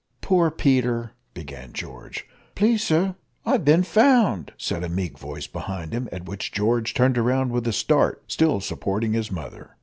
"Poor Peter," began George. "Please, sir, I've bin found," said a meek voice behind him, at which George turned round with a start still supporting his mother.